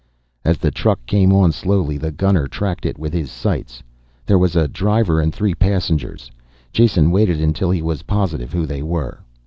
As the truck came on slowly, the gunner tracked it with his sights. There was a driver and three passengers. Jason waited until he was positive who they were.